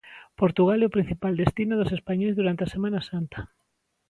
Portugal é o principal destino dos españois durante a Semana Santa.